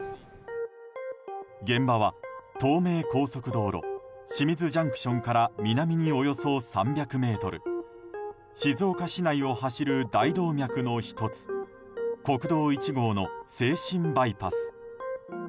現場は、東名高速道路清水ＪＣＴから南におよそ３００ｍ静岡市内を走る大動脈の１つ国道１号の静清バイパス。